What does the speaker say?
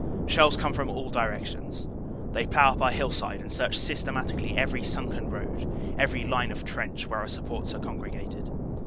Shells come from all directions. They plow up our hill 156 CANADA S HUNDRED DAYS side and search systematically every sunken road, every line of trench, where our supports are congregated.